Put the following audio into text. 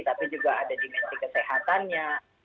tapi juga ada dimensi kesehatannya